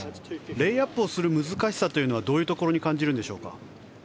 レイアップをする難しさというのはどういうところに感じるんでしょうか？